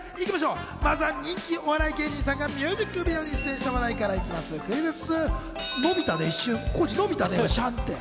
まずは人気お笑い芸人さんがミュージックビデオに出演した話題からクイズッス！